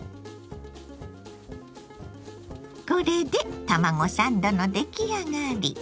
これで卵サンドの出来上がり。